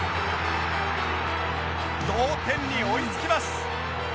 同点に追いつきます！